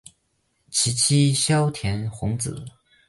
其妻笙田弘子。